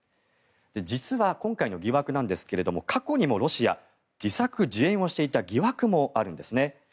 実は今回の疑惑なんですけれども過去にもロシア、自作自演をしていた疑惑もあるんですね。